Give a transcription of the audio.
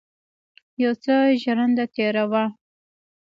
یو څه ژرنده تېره وه.